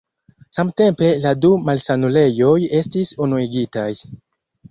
Samtempe la du malsanulejoj estis unuigitaj.